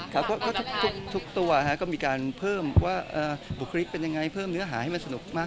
เราจะไม่ได้จำกับชั้นเดิมใช่ไหมครับ